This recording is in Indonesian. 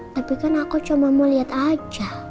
tapi kan aku cuma mau lihat aja